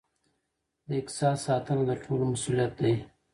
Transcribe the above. د اقتصاد ساتنه د ټولو مسؤلیت دی.